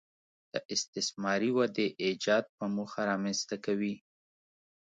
د استثماري ودې ایجاد په موخه رامنځته کوي